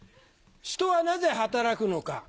人はなぜ働くのか？